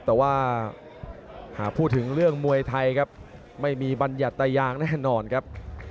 แต่ว่าหากพูดถึงเรื่องมวยไทยครับไม่มีบัญญัตยางแน่นอนครับ